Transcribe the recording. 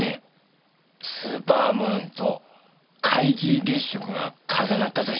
スーパームーンと皆既月食が重なった年。